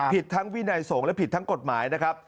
ผิดทั้งวินัยสงฆ์และผิดทั้งกฎหมายนะครับ